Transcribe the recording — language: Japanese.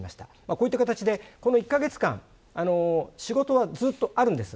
こういう形で、ここ１カ月間仕事はずっとあるんです。